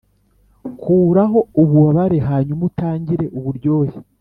kuraho ububabare hanyuma utangire uburyohe